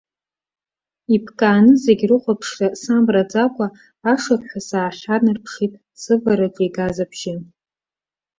Иԥкааны зегь рыхәаԥшра самраӡакәа, ашырҳәа саахьанарԥшит сывараҿы игаз абжьы.